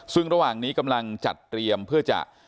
ซึ่งระหว่างนี้กำลังจัดเตรียมเพื่อจะ